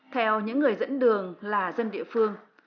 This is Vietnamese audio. theo những người dẫn đường là dân địa phương